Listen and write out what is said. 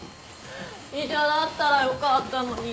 医者だったらよかったのに。